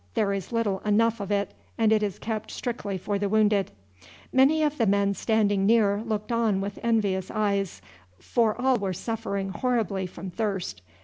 "There is little enough of it, and it is kept strictly for the wounded." Many of the men standing near looked on with envious eyes, for all were suffering horribly from thirst.